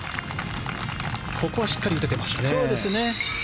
ここはしっかり打てていましたね。